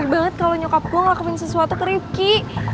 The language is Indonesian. serius banget kalau nyokap gue ngakamin sesuatu teriuki